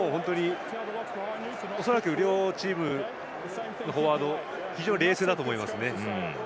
恐らく両チームのフォワード非常に冷静だと思いますね。